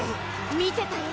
見てたよ！